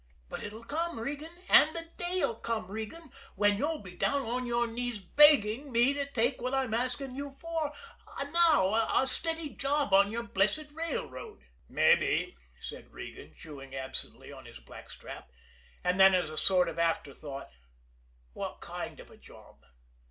But it'll come, Regan. And the day'll come, Regan, when you'll be down on your knees begging me to take what I'm asking for now, a steady job on your blessed railroad." "Mabbe," said Regan, chewing absently on his blackstrap; and then, as a sort of afterthought: "What kind of a job?"